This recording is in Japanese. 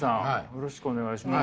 よろしくお願いします。